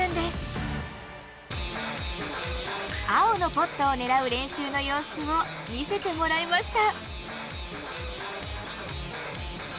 青のポットを狙う練習の様子を見せてもらいました。